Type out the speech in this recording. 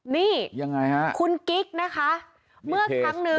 นี่ยังไงฮะคุณกิ๊กนะคะเมื่อครั้งหนึ่ง